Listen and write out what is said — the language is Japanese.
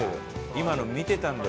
今の見てたんだよ